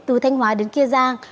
từ thanh hóa đến kia giang